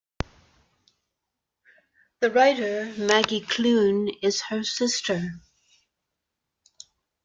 The writer Maggie Clune is her sister.